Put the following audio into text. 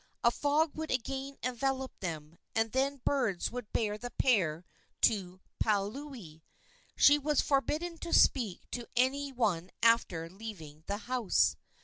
A fog would again envelop them, and then birds would bear the pair to Paliuli. She was forbidden to speak to any one after leaving the house.